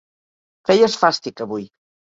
Feies fàstic avui.